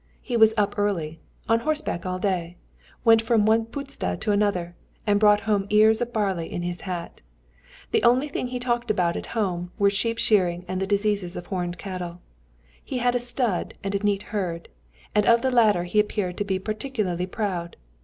He was up early, on horseback all day, went from one puszta to another, and brought home ears of barley in his hat. The only things he talked about at home were sheepshearing and the diseases of horned cattle. He had a stud and a neat herd, and of the latter he appeared to be particularly proud.